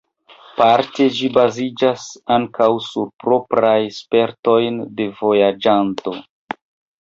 Parte ĝi baziĝis ankaŭ sur propraj spertoj de vojaĝanto.